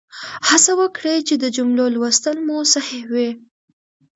هڅه وکړئ چې د جملو لوستل مو صحیح وي.